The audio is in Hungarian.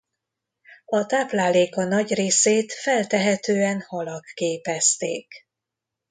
A tápláléka nagy részét feltehetően halak képezték.